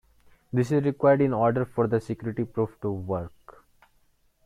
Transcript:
This is required in order for the security proof to work.